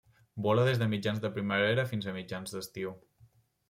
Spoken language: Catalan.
Vola des de mitjans de primavera fins a mitjans d'estiu.